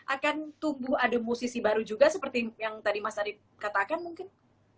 akan tumbuh ada musisi baru juga seperti yang tadi mas arief katakan mungkin